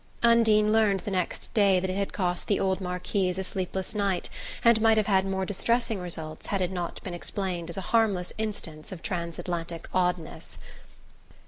Undine learned the next day that it had cost the old Marquise a sleepless night, and might have had more distressing results had it not been explained as a harmless instance of transatlantic oddness.